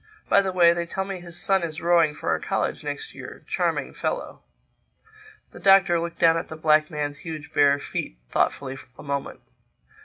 By the way, they tell me his son is rowing for our college next year—charming fellow." The Doctor looked down at the black man's huge bare feet thoughtfully a moment.